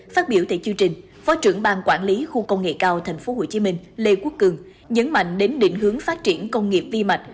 phát biểu tại chương trình phó trưởng bang quản lý khu công nghệ cao tp hcm lê quốc cường nhấn mạnh đến định hướng phát triển công nghiệp vi mạch